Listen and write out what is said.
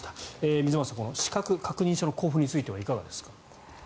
水町さん資格確認書の交付についてはいかがですか。